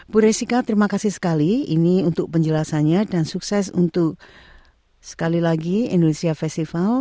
bu resika terima kasih sekali ini untuk penjelasannya dan sukses untuk sekali lagi indonesia festival